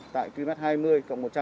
tại qmet hai mươi cộng một trăm linh